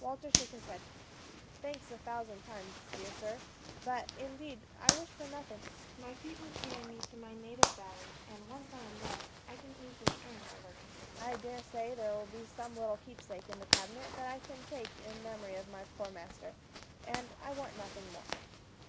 Walter shook his head. "Thanks, a thousand times, dear sir, but indeed I wish for nothing. My feet will carry me to my native valley; and once I am there, I can easily earn my living. I dare say there will be some little keepsake in the cabinet that I can take in memory of my poor master, and I want nothing more."